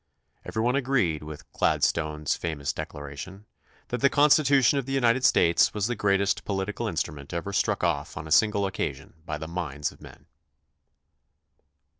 Every one agreed with Gladstone's fa mous declaration, that the Constitution of the United States was the greatest political instrument ever struck off on a single occasion by the minds of men.